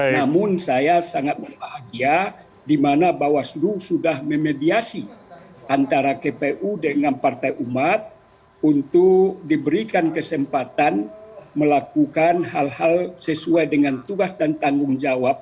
namun saya sangat berbahagia di mana bawaslu sudah memediasi antara kpu dengan partai umat untuk diberikan kesempatan melakukan hal hal sesuai dengan tugas dan tanggung jawab